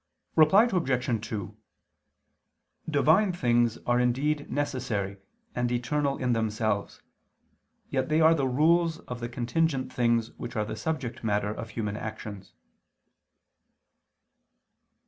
Reply Obj. 2: Divine things are indeed necessary and eternal in themselves, yet they are the rules of the contingent things which are the subject matter of human actions.